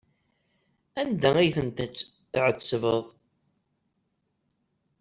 Anda ay ten-tɛettbeḍ?